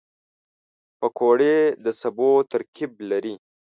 پکورې د سبو ترکیب لري